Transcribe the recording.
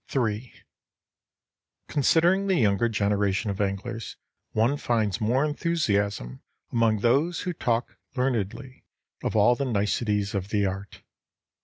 III Considering the younger generation of anglers, one finds more enthusiasm among those who talk learnedly of all the niceties of the art.